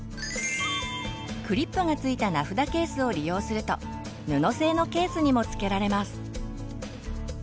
クリップがついた名札ケースを利用すると布製のケースにもつけられます。